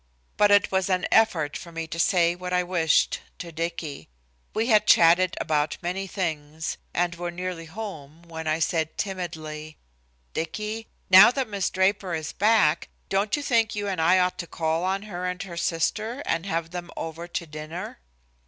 But it was an effort for me to say what I wished to Dicky. We had chatted about many things, and were nearly home, when I said timidly: "Dicky, now that Miss Draper is back, don't you think you and I ought to call on her and her sister, and have them over to dinner?"